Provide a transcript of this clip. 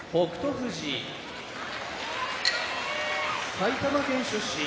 富士埼玉県出身